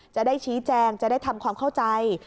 จะได้ชี้แจงจะได้ทำความเข้าใจ